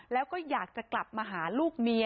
แล้วก็อยากจะกลับมาหาลูกเมีย